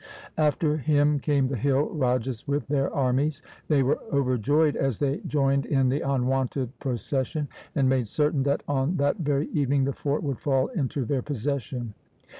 After him came the hill rajas with their armies. They were overjoyed as they joined in the unwonted pro cession, and made certain that on that very evening the fort would fall into their possession.